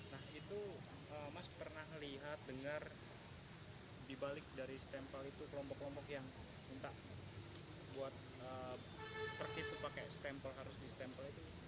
nah itu mas pernah melihat dengar dibalik dari stempel itu kelompok kelompok yang minta buat pergi itu pakai stempel harus di stempel itu